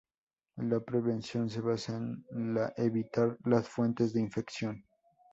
La prevención se basa en la evitar las fuentes de infección.